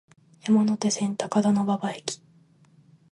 山手線、高田馬場駅